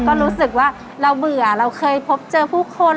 ก็รู้สึกว่าเราเบื่อเราเคยพบเจอผู้คน